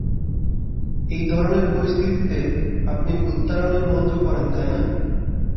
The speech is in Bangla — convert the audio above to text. এই ধরনের পরিস্থিতিতে আপনি ভূত তাড়ানোর মন্ত্র পড়েন, তাই না?